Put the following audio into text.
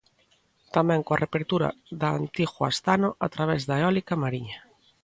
Tamén coa reapertura da antiga Astano a través da eólica mariña.